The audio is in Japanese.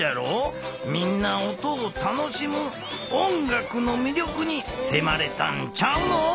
みんな音を楽しむ音楽のみりょくにせまれたんちゃうの？